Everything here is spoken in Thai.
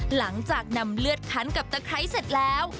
หลังจากนำเลือดคันกับตะไคร้เสร็จแล้ว